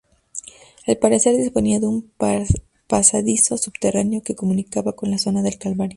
Al parecer disponía de un pasadizo subterráneo que comunicaba con la zona del Calvario.